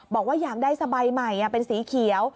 บอกว่าอยากได้สบายใหม่เป็นสีเขียว